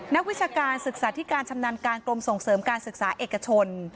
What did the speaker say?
นักวิชาการศึกษาธิการชำนาญการกรมส่งเสริมการศึกษาเอกชน